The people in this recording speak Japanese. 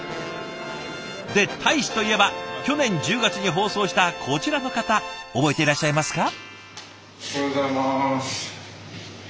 で大使といえば去年１０月に放送したこちらの方覚えていらっしゃいますか？